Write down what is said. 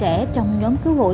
hỗ trợ cho chị